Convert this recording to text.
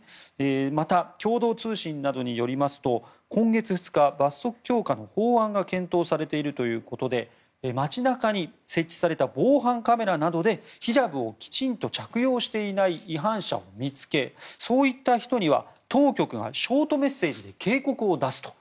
また、共同通信などによりますと今月２日罰則強化の法案が検討されているということで街中に設置された防犯カメラなどでヒジャブをきちんと着用していない違反者を見つけそういった人には当局がショートメッセージで警告を出すと。